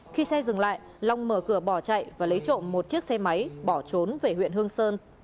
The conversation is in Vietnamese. khi xe dừng lại long mở cửa bỏ chạy và lấy trộm một chiếc xe máy bỏ trốn về huyện hương sơn